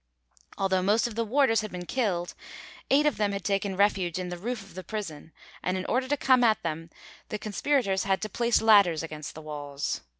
Although most of the warders had been killed, eight of them had taken refuge in the roof of the prison, and in order to come at them the conspirators had to place ladders against the walls.